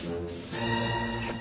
すいません。